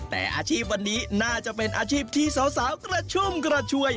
แต่อาชีพวันนี้น่าจะเป็นอาชีพที่สาวกระชุ่มกระชวย